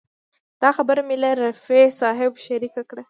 دا خبره مې له رفیع صاحب شریکه کړه.